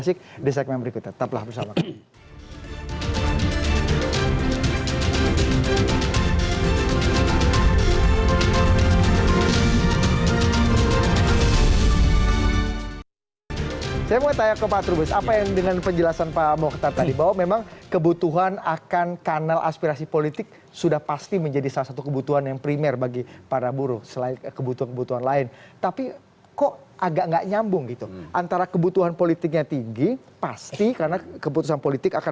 saya mau tanya sama pak turmus apa yang membuat kemudian partai buruh atau penyaluran aspirasi politik